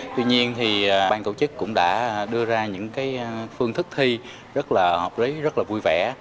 tuy nhiên thì ban tổ chức cũng đã đưa ra những phương thức thi rất là hợp lý rất là vui vẻ